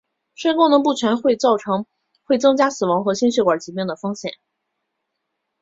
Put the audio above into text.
肾功能不全会增加死亡和心血管疾病的风险。